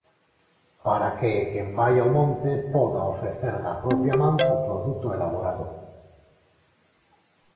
Para que quen vaia ao monte poda ofrecer da propia man o produto elaborado.